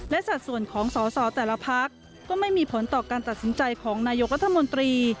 และสัดส่วนของสอสอแต่ละพักก็ไม่มีผลต่อการตัดสินใจของนายกรัฐมนตรี